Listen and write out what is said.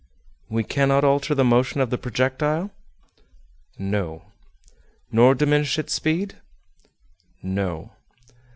"We cannot alter the motion of the projectile?" "No." "Nor diminish its speed?" "No."